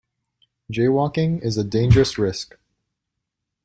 Jaywalking is a dangerous risk.